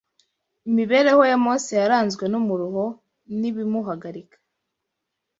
Imibereho ya Mose yaranzwe n’umuruho n’ibimuhagarika